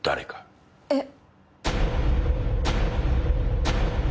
えっ。